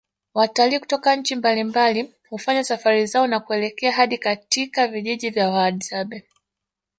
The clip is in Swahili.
Watalii kutoka nchi mbalimbali hufanya safari zao na kuelekea hadi katika vijiji vya wahadzabe